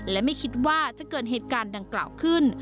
และไม่คิดว่าจะเกิดเหตุการณ์ดังกล่าวขึ้น